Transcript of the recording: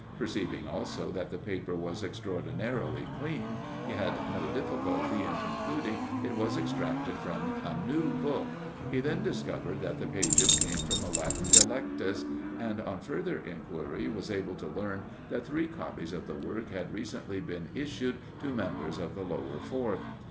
Perceiving also that the paper was extraordinarily clean, he had no difficulty in concluding it was extracted from a new book. He then discovered that the page came from a Latin Delectus, and, on further inquiry, was able to learn that three copies of the work had recently been issued to members of the Lower Fourth.